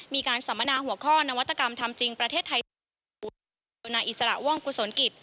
สัมมนาหัวข้อนวัตกรรมทำจริงประเทศไทยโดยนายอิสระว่องกุศลกิจ